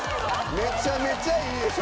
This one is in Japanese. めちゃめちゃいいでしょ？